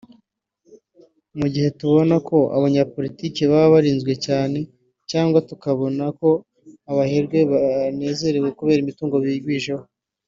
Mu gihe tubona ko abanyapolitke baba barinzwe cyane cg tukabona ko abaherwe banezerewe kubera imitungo bigwijeho